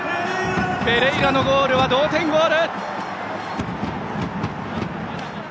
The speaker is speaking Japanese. ペレイラのゴールは同点ゴール！